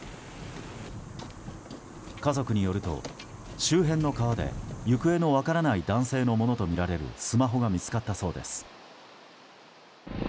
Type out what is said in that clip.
家族によると、周辺の川で行方の分からない男性のものとみられるスマホが見つかったそうです。